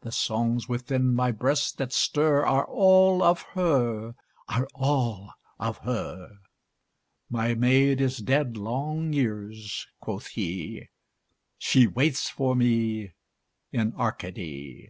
The songs within my breast that stir Are all of her, are all of her. My maid is dead long years (quoth he), She waits for me in Arcady.